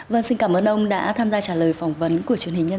vâng xin cảm ơn ông đã tham gia trả lời phỏng vấn của truyền hình